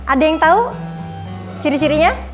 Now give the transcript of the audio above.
ada yang tahu ciri cirinya